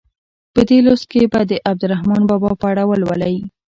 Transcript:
په دې لوست کې به د عبدالرحمان بابا په اړه ولولئ.